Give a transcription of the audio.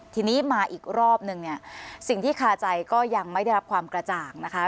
ทีนี้มาอีกรอบนึงเนี่ยสิ่งที่คาใจก็ยังไม่ได้รับความกระจ่างนะคะ